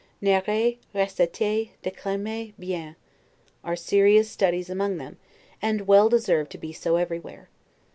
'Narrer, reciter, declamer bien', are serious studies among them, and well deserve to be so everywhere.